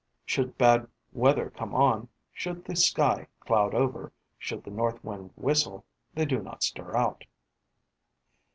Should bad weather come on, should the sky cloud over, should the north wind whistle, they do not stir out.